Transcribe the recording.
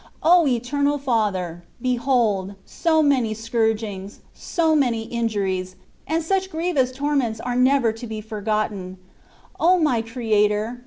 O Eternal Fathej^ . 6^ hold, so many scourgings, so many injuries, and such grievous torments are never to: be forgQtte])i4.> O my Creator!